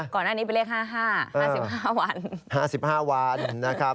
ข้างหน้านี้เป็นเลข๕๕๕๕วัน